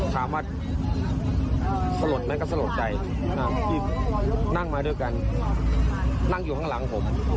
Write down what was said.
ถามว่าสลดไหมก็สลดใจที่นั่งมาด้วยกันนั่งอยู่ข้างหลังผม